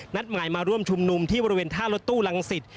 หมายมาร่วมชุมนุมที่บริเวณท่ารถตู้รังสิต